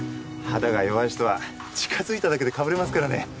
肌が弱い人は近づいただけでかぶれますからね。